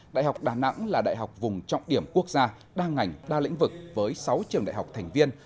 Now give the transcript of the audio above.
đại học đà nẵng là đại học vùng trọng điểm quốc gia đa ngành đa lĩnh vực với sáu trường đại học thành viên